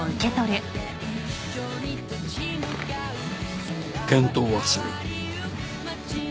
検討はする。